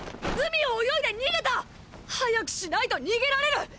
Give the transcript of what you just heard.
海を泳いで逃げた！！早くしないと逃げられる！！